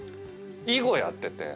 囲碁やってて。